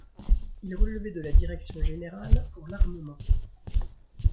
Il relevait de la direction générale pour l'armement.